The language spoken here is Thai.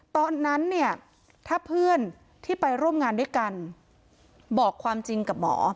ตอนนั้นเนี่ยถ้าเพื่อนที่ไปร่วมงานด้วยกันบอกความจริงกับหมอ